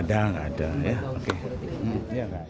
tidak ada tidak ada ya